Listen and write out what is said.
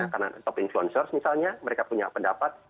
karena top influencer misalnya mereka punya pendapat